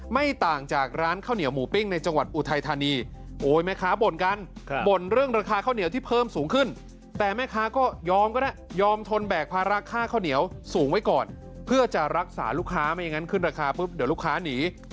ไม่ต่างจากร้านข้าวเหนียวหมูปิ้งในจังหวัดอุทัยธานีโอ้ยแม่ค้าบ่นกันบ่นเรื่องราคาข้าวเหนียวที่เพิ่มสูงขึ้นแต่แม่ค้าก็ยอมก็ได้ยอมทนแบกภาระค่าข้าวเหนียวสูงไว้ก่อนเพื่อจะรักษาลูกค้าไม่อย่างนั้นขึ้นราคาปุ๊บเดี๋ยวลูกค้าหนี